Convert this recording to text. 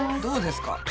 どうですか？